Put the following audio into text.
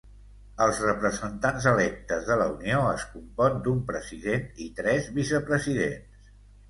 Els representants electes de la Unió es compon d'un president i tres vicepresidents.